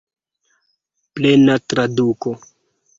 Plena traduko.